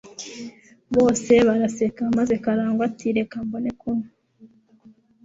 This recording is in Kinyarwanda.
Bose barabaseka maze Karangwa ati: "Reka mbone kunywa."